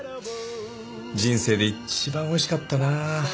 人生で一番美味しかったなあ。